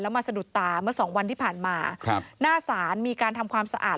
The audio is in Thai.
มาสะดุดตาเมื่อสองวันที่ผ่านมาครับหน้าศาลมีการทำความสะอาด